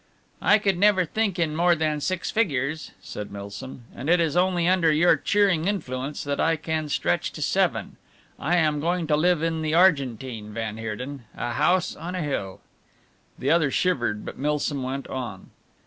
"I could never think in more than six figures," said Milsom, "and it is only under your cheering influence that I can stretch to seven. I am going to live in the Argentine, van Heerden. A house on a hill " The other shivered, but Milsom went on.